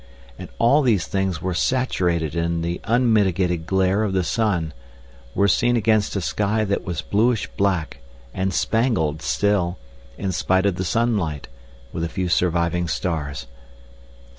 And all these things were saturated in the unmitigated glare of the sun, were seen against a sky that was bluish black and spangled still, in spite of the sunlight, with a few surviving stars.